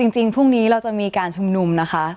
จริงพรุ่งนี้เราจะมีการชุมนุมนะคะ